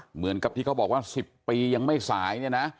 เหมือนกับที่เขาบอกว่า๑๐ปียังไม่สายเนี่ยนะ